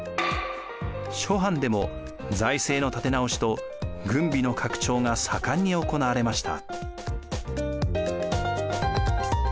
諸藩でも財政の立て直しと軍備の拡張が盛んに行われました。